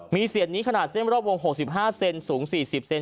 มีเสียนนี้ขนาดเส้นรอบวง๖๕เซนสูง๔๐เซน